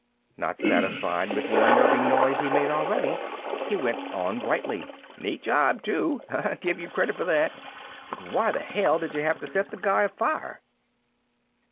Not satisfied with the unnerving noise he'd made already, he went on brightly, "Neat job too, I give you credit for that, but why the hell did you have to set the guy afire?"